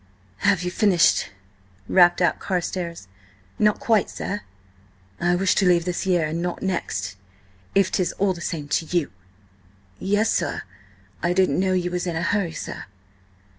"Have you finished?" rapped out Carstares. "Not quite, sir." "I wish to leave this year and not next, if 'tis all the same to you!" "Yes, sir. I didn't know you was in a hurry, sir."